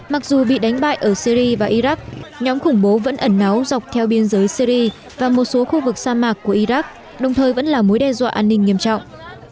mặc dù bị đánh bại ở syri và iraq nhóm khủng bố vẫn ẩn náu dọc theo biên giới syri và một số khu vực sa mạc của iraq đồng thời vẫn là mối đe dọa an ninh nghiêm trọng